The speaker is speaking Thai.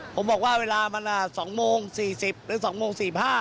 ผมบอกว่าเวลามัน๒โมง๔๐หรือ๒โมง๔๕